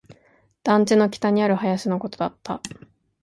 団地の北にある林のことだった